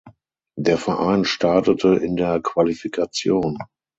Der Verein startete in der Qualifikation.